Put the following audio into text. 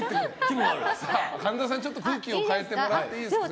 神田さん、ちょっと空気を変えてもらっていいですか。